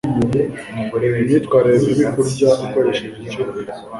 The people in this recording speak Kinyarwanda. Ni imyitwarire mibi kurya ukoresheje icyuma.